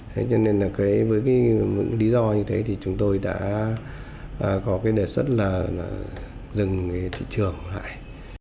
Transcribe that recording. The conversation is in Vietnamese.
thế cho nên là với cái lý do như thế thì chúng tôi đã có cái đề xuất là dừng cái thị trường lại